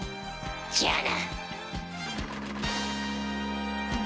じゃあな！